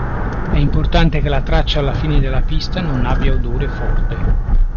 È importante che la traccia alla fine della pista non abbia odore forte.